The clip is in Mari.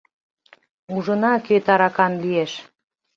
Ужына, кӧ таракан лиеш.